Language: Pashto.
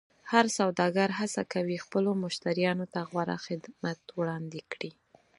هر سوداګر هڅه کوي خپلو مشتریانو ته غوره خدمت وړاندې کړي.